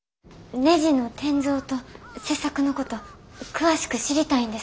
ねじの転造と切削のこと詳しく知りたいんです。